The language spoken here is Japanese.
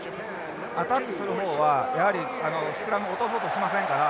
アタックする方はやはりスクラムを落とそうとしませんから。